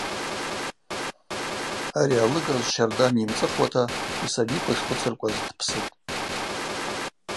Ари алыгажв щарда нйымцӏыхуата йсабиква шхвыцыркӏваз дпсытӏ.